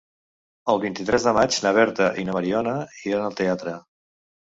El vint-i-tres de maig na Berta i na Mariona iran al teatre.